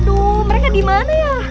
aduh mereka dimana ya